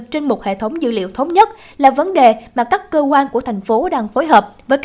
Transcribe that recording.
trên một hệ thống dữ liệu thống nhất là vấn đề mà các cơ quan của thành phố